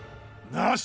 なし！